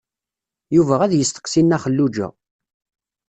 Yuba ad yesteqsi Nna Xelluǧa.